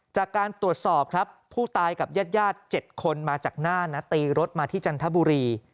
จากการตรวจสอบครับผู้ตายกับญาติ๗คนมาจากหน้านะตีรถมาที่จันทบุรี